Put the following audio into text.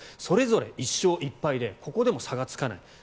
それぞれ１勝１敗でここでも差がつかない。